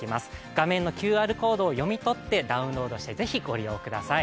画面のＱＲコードを読み取ってダウンロードして是非、ご利用ください。